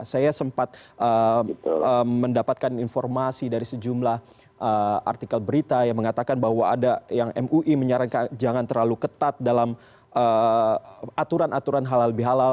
saya sempat mendapatkan informasi dari sejumlah artikel berita yang mengatakan bahwa ada yang mui menyarankan jangan terlalu ketat dalam aturan aturan halal bihalal